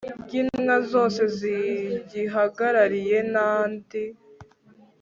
rw intumwa zose zigihagarariye n andi